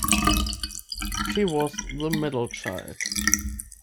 She was the middle child.